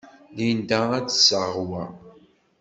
Linda ad d-tseɣ wa.